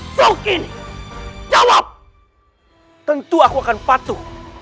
tentu aku akan patuh jika prabu surawi sesa berpegang teguh kepada raja surakerta